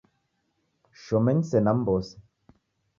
Shomenyi sena mmbose